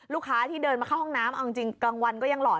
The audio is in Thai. ลูกค้าที่เดินมาเข้าห้องน้ำจริงกลางวันก็ยังหล่อน